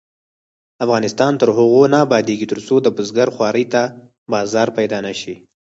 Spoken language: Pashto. افغانستان تر هغو نه ابادیږي، ترڅو د بزګر خوارۍ ته بازار پیدا نشي.